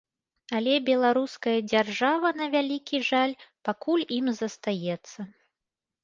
Але беларуская дзяржава, на вялікі жаль, пакуль ім застаецца.